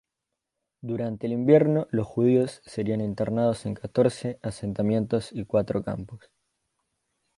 Durante el invierno, los judíos serían internados en catorce asentamientos y cuatro campos.